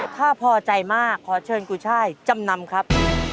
ถ้าพอใจมากขอเชิญกุช่ายจำนำครับ